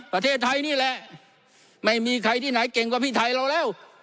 ประเทศไทยนี่แหละไม่มีใครที่ไหนเก่งกว่าพี่ไทยเราแล้ว